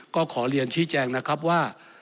ก็ขอเรียนชี้แจ้งว่า